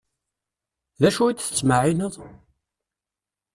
D acu i d-tettmeεεineḍ?